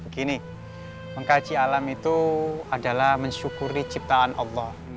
gini mengkaji alam itu adalah mensyukuri ciptaan allah